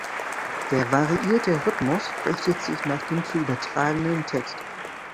Der variierte Rhythmus richtet sich nach dem zu übertragenden Text.